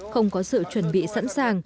không có sự chuyển hóa